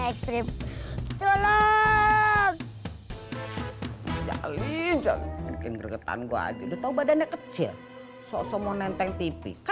ekstrim jalan jalan bikin gregetan gua aja tuh badannya kecil sosok mau nenteng tipik